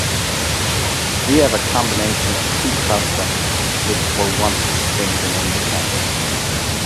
We have a combination of two customs which were once distinct and independent.